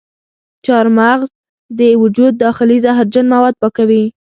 چارمغز د وجود داخلي زهرجن مواد پاکوي.